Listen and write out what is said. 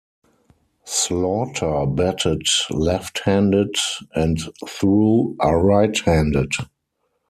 Slaughter batted left-handed and threw right-handed.